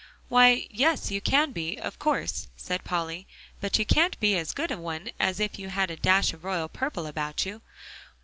"Why, yes, you can be, of course," said Polly, "but you can't be as good a one as if you had a dash of royal purple about you.